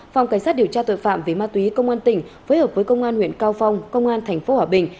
phòng cảnh sát điều tra tội phạm về ma túy công an tỉnh phối hợp với công an huyện cao phong công an tp hòa bình